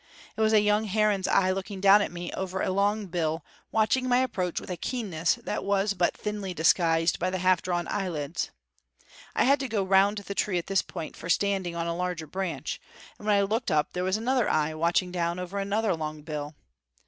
It was a young heron's eye looking down at me over a long bill, watching my approach with a keenness that was but thinly disguised by the half drawn eyelids. I had to go round the tree at this point for a standing on a larger branch; and when I looked up, there was another eye watching down over another long bill.